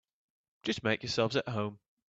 Just make yourselves at home.